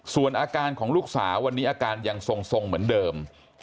ส่วนอาการของลูกสาววันนี้อาการยังทรงเหมือนเดิม